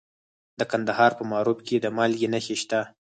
د کندهار په معروف کې د مالګې نښې شته.